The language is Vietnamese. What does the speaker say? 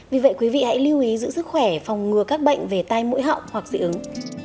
vì vậy quý vị hãy lưu ý giữ sức khỏe phòng ngừa các bệnh về tai mũi họng hoặc dị ứng